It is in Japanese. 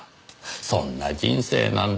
そんな人生なんだ。